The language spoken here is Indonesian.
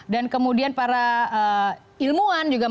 dan kemudian para ilmuwan juga masuk